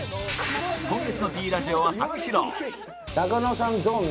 今月の Ｐ ラジオは三四郎